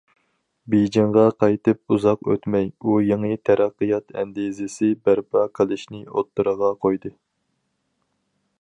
بېيجىڭغا قايتىپ ئۇزاق ئۆتمەي، ئۇ يېڭى تەرەققىيات ئەندىزىسى بەرپا قىلىشنى ئوتتۇرىغا قويدى.